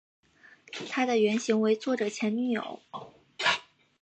她的原型为作者前女友。